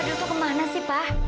fadil tuh kemana sih pak